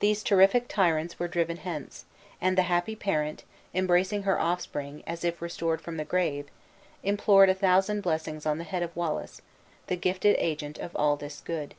These terrific tyrants were driven hence; and the happy parent, embracing her offspring as if restored from the grave, implored a thousand blessings on the head of Wallace, the gifted agent of all this good.